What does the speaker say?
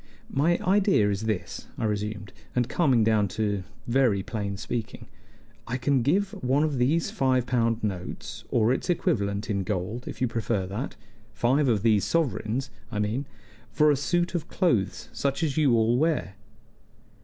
"My idea is this," I resumed, and coming down to very plain speaking: "I can give one of these five pound notes, or its equivalent in gold, if you prefer that five of these sovereigns, I mean for a suit of clothes such as you all wear."